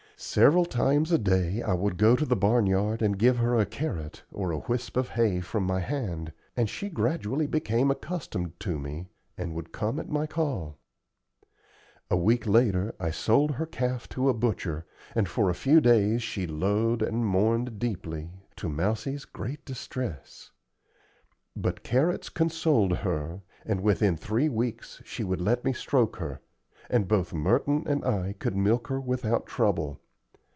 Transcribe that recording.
Several times a day I would go to the barn yard and give her a carrot or a whisp of hay from my hand, and she gradually became accustomed to me, and would come at my call. A week later I sold her calf to a butcher, and for a few days she lowed and mourned deeply, to Mousie's great distress. But carrots consoled her, and within three weeks she would let me stroke her, and both Merton and I could milk her without trouble.